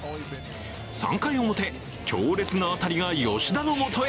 ３回表、強烈な当たりが吉田のもとへ。